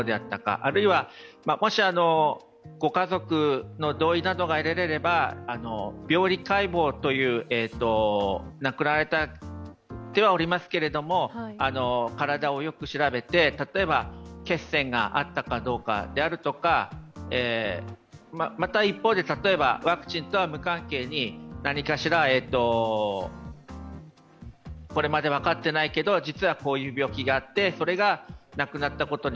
あるいは、もしご家族の同意などが得られれば病理解剖という、亡くなられてはおりますけれども体をよく調べて、例えば血栓があったかどうかであるとか、また、一方で、例えばワクチンとは無関係に何かしら、これまで分かってないけど実はこういう病気があって、それが亡くなったことに